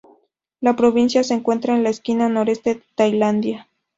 La provincia se encuentra en la esquina noreste de Tailandia.